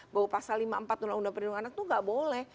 bahwa pasal lima puluh empat undang undang perlindungan anak itu tidak boleh